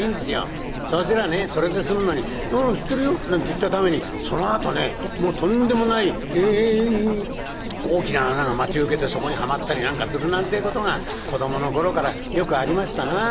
そうすりゃあねそれで済むのに「ああ知ってるよ」なんて言ったためにそのあとねとんでもない大きな穴が待ち受けてそこにはまったりなんかするなんてぇことが子どもの頃からよくありましたなぁ。